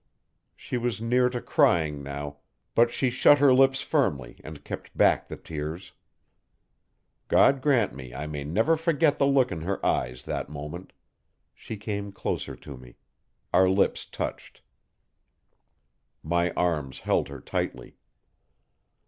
She was near to crying now, but she shut her lips firmly and kept back the tears. God grant me I may never forget the look in her eyes that moment. She came closer to me. Our lips touched; my arms held her tightly.